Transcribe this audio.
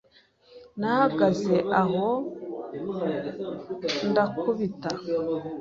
Nahagaze aho ndakubita!